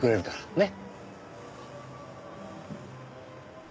ねっ。